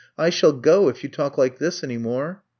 I shall go if you talk like this any more.'